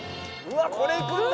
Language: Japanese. これいくんだ？